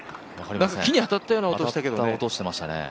木に当たったような音したよね？